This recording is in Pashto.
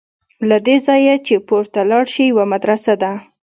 له دې ځایه چې پورته لاړ شې یوه مدرسه ده.